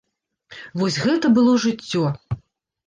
Вось гэта было жыццё!